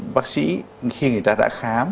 bác sĩ khi người ta đã khám